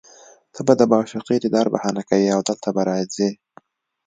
ته به د معشوقې دیدار بهانه کوې او دلته به راځې